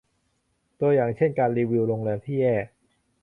ตัวอย่างเช่น การรีวิวโรงแรมที่แย่